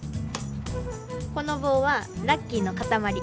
この棒はラッキーの塊。